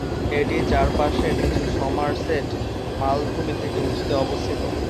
এটি চারপাশের নিচু সমারসেট মালভূমি থেকে উঁচুতে অবস্থিত।